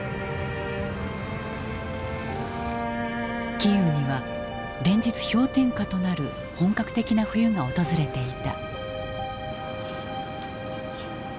キーウには連日氷点下となる本格的な冬が訪れていた。